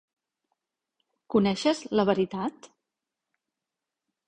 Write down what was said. Coneixes la "Veritat"?